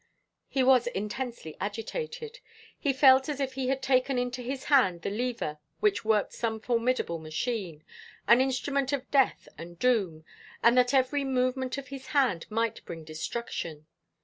He was intensely agitated. He felt as if he had taken into his hand the lever which worked some formidable machine an instrument of death and doom, and that every movement of his hand might bring destruction.